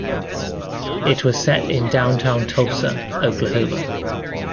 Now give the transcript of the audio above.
It was set in downtown Tulsa, Oklahoma.